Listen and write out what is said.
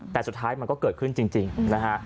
แต่สุดท้ายมันก็เกิดขึ้นจริงนะฮะ